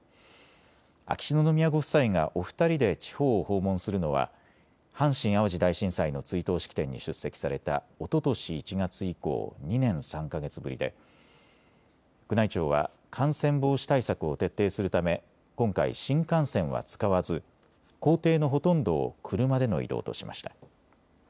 秋篠宮ご夫妻がお二人で地方を訪問するのは阪神・淡路大震災の追悼式典に出席されたおととし１月以降、２年３か月ぶりで宮内庁は感染防止対策を徹底するため今回、新幹線は使わず行程のほとんどを車での移動としました。